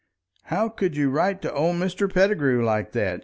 "How could you write to old Mr. Pettigrew like that?"